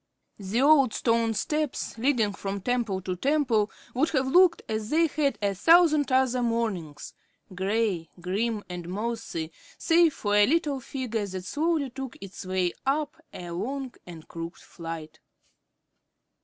The old stone steps leading from temple to temple would have looked as they had a thousand other mornings, gray, grim, and mossy, save for a little figure that slowly took its way up a long and crooked flight.